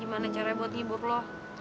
gimana caranya buat ngibur lo